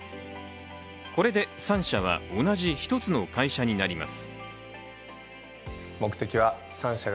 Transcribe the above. これで３社は、同じ１つの会社になります。